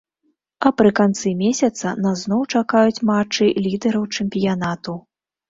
А пры канцы месяца нас зноў чакаюць матчы лідэраў чэмпіянату.